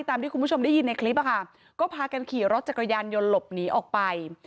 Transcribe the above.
ที่คุณผู้ชมได้ยินในคลิปอะค่ะก็พากันขี่รถจักรยานยนต์หลบหนีออกไป